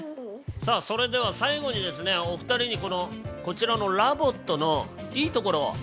さあそれでは最後にですねお二人にこのこちらのＬＯＶＯＴのいいところを。